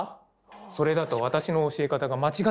それだと私の教え方が間違っていることになる。